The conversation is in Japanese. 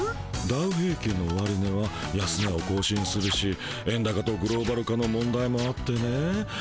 ダウ平きんの終値は安値をこう新するし円高とグローバル化の問題もあってね。